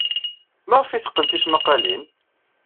Maɣef ay teqqen tismaqqalin?